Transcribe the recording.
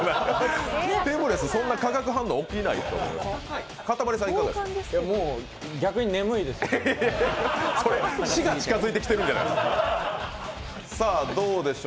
テムレスそんな化学反応起きないでしょ。